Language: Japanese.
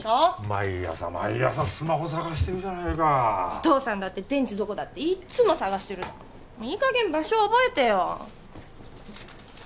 毎朝毎朝スマホ捜してるじゃないかお父さんだって電池どこだっていっつも探してるじゃんいいかげん場所覚えてよ